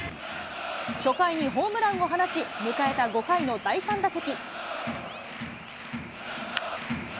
初回にホームランを放ち、迎えた５回の第３打席。